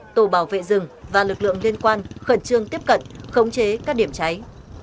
tổ bảo vệ rừng và lực lượng liên quan khẩn trương tiếp cận khống chế các điểm cháy